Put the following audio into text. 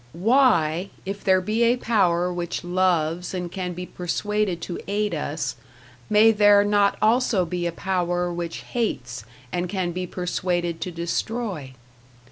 Why, if there be a power which loves and can be persuaded to aid us, may there not also be a power which hates, and can be persuaded to destroy?